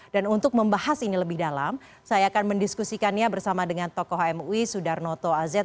dan untuk membahas ini lebih dalam saya akan mendiskusikannya bersama dengan tokoh mui sudarnoto azed